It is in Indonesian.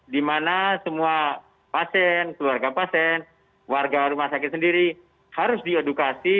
di mana semua pasien keluarga pasien warga rumah sakit sendiri harus diedukasi